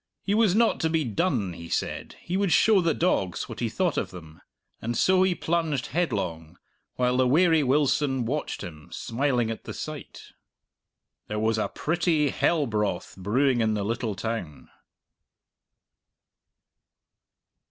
He was not to be done, he said; he would show the dogs what he thought of them. And so he plunged headlong, while the wary Wilson watched him, smiling at the sight. There was a pretty hell broth brewing in the little town.